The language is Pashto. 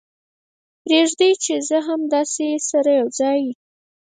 پرېږدئ چې زه هم تاسې سره یو ځای.